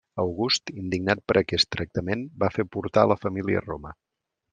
August, indignat per aquest tractament, va fer portar a la família a Roma.